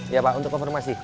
iya pak untuk konfirmasi